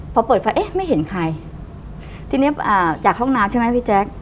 พอเปิดไฟเอ๊ะไม่เห็นใครทีเนี้ยอ่าจากห้องน้ำใช่ไหมพี่แจ๊ค